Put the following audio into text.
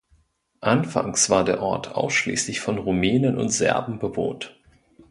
Anfangs war der Ort ausschließlich von Rumänen und Serben bewohnt.